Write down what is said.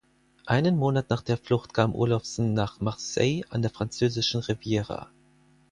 Einen Monat nach der Flucht kam Olofsson nach Marseille an der französischen Riviera.